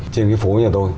trên cái phố nhà tôi